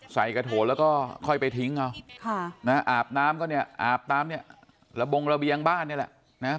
ใส่กระโถแล้วก็ค่อยไปทิ้งเอาอาบน้ำก็เนี่ยอาบตามเนี่ยระบงระเบียงบ้านนี่แหละนะ